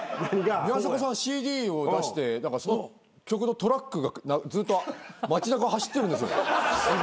宮迫さんＣＤを出してその曲のトラックがずっと街中を走ってるんです。